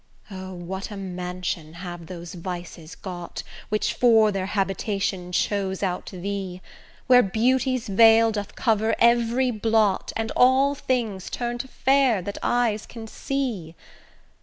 O! what a mansion have those vices got Which for their habitation chose out thee, Where beauty's veil doth cover every blot And all things turns to fair that eyes can see!